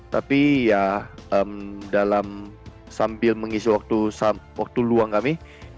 tapi ya dalam sambil mengisi waktu luang kami